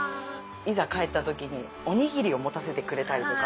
いざ帰った時におにぎりを持たせてくれたりとか。